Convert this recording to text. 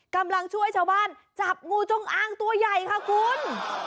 กำลังช่วยชาวบ้านจับงูจงอ้างตัวใหญ่ค่ะคุณ